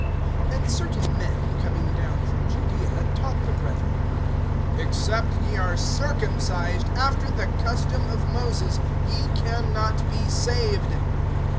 AND certain men, coming down from Judaea, taught the brethren: Except ye are circumcised after the custom of Moses, ye can not be saved.